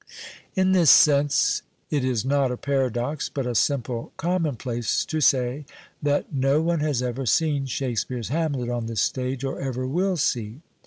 In this sense it is not a paradox but a simple common place to say that no one has ever seen Shakespeare's Hamlet on the stage, or ever will sec.